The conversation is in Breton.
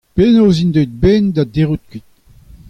Penaos int deuet a-benn da dec'hout kuit ?